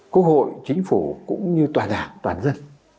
quốc hội chính phủ cũng như tòa đảng toàn dân